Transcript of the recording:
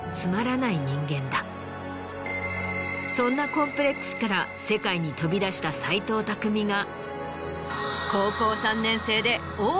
そんなコンプレックスから世界に飛び出した斎藤工が。